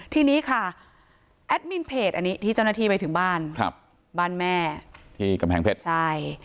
ทีนี้ค่ะแอดมินเพจอันนี้ที่เจ้าหน้าที่ไปถึงบ้านครับบ้านแม่ที่กำแพงเพชรใช่